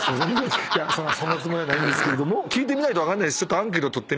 そんなつもりはないんですけども聞いてみないと分かんないです。